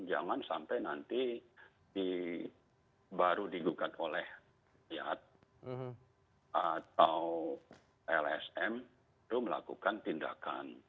jangan sampai nanti baru digugat oleh rakyat atau lsm itu melakukan tindakan